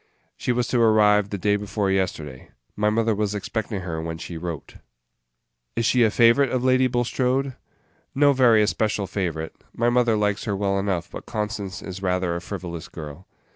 "She was to arrive the day before yesterday. My mother was expecting her when she wrote." "Is she a favorite of Lady Bulstrode?" "No very especial favorite. My mother likes her well enough; but Constance is rather a frivolous girl."